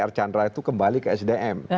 r candra itu kembali ke sdm